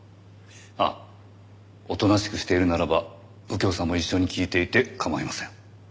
あっおとなしくしているならば右京さんも一緒に聞いていて構いません。